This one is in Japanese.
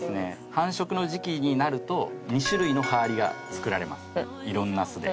繁殖の時期になると２種類の羽アリが作られますいろんな巣で。